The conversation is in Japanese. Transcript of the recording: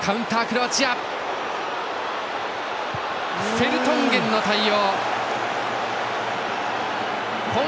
フェルトンゲンの対応。